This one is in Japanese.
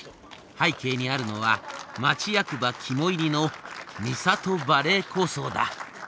背景にあるのは町役場肝煎りの「美郷バレー構想」だ。